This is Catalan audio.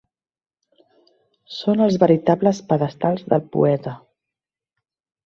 Són els veritables pedestals del poeta.